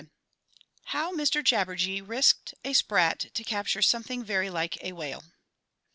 VII _How Mr Jabberjee risked a Sprat to capture something very like a Whale.